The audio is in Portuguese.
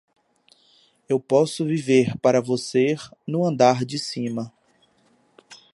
Eu posso viver para você no andar de cima.